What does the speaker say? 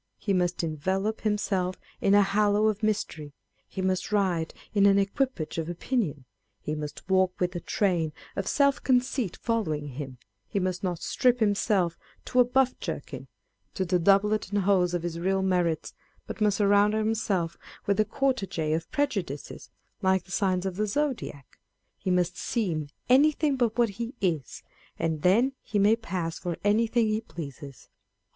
He must envelope himself in a halo of mystery â€" he must ride in an equipage of opinion â€" he must walk with a train of self conceit following him â€" he must not strip himself to a buff jerkin, to the doublet and hose of his real merits, but must surround himself with a coriege of prejudices, like the signs of the Zodiac â€" he must seem anything but what he is, and then he may pass for anything he pleases.